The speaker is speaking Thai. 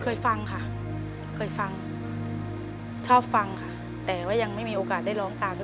เคยฟังค่ะเคยฟังชอบฟังค่ะแต่ว่ายังไม่มีโอกาสได้ร้องตามด้วย